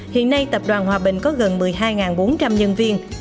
hiện nay tập đoàn hòa bình có gần một mươi hai bốn trăm linh nhân viên